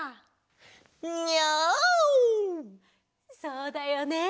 そうだよね。